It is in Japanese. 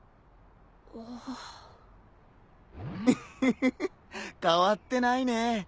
フフフ変わってないね。